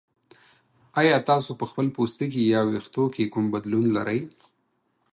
ایا تاسو په خپل پوستکي یا ویښتو کې کوم بدلون لرئ؟